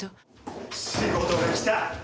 仕事が来た！